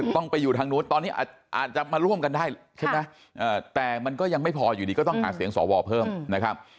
ต้องไปอยู่ทางนู้นตอนนี้อาจจะมาร่วมกันได้ใช่ไหมแต่มันก็ยังไม่พออยู่ดีก็ต้องหาเสียงสวเพิ่มนะครับ